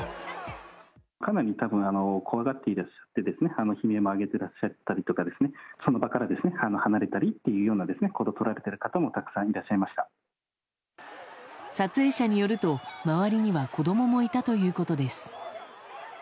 かなりたぶん、怖がっていらっしゃってですね、悲鳴も上げてらっしゃったりとか、その場から離れたりっていうような行動を取られてる方も、たくさ撮影者によると、周りには子どももいたということです。